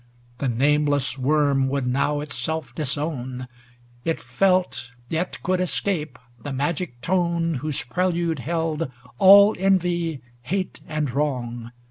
The nameless worm would now itself disown ; It felt, yet could escape the magic tone Whose prelude held all envy, hate and wrong.